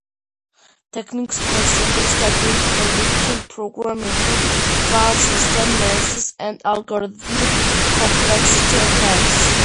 Techniques for single-stepping a victim program include file system mazes and algorithmic complexity attacks.